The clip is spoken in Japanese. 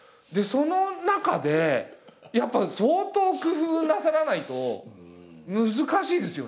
その中でやっぱ相当工夫なさらないと難しいですよね？